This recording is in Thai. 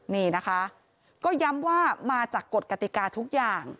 นี่นะคะก็ย้ำว่ามาจากกฎกติกาทุกอย่าง